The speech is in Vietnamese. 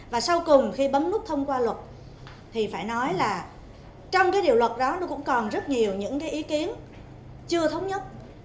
và sau cùng khi bấm nút thông qua luật thì phải nói là trong cái điều luật đó nó cũng còn rất nhiều những cái ý kiến chưa thống nhất